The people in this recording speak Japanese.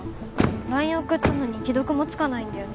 ＬＩＮＥ送ったのに既読もつかないんだよね